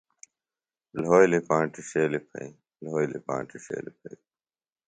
لھولیۡ پانٹیۡ ݜیلیۡ پھئیۡ لھولیۡ پانٹیۡ ݜیلیۡ پھئیۡ۔